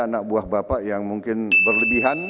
anak buah bapak yang mungkin berlebihan